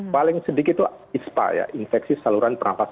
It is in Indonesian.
paling sedikit itu ispa ya infeksi saluran pernafasan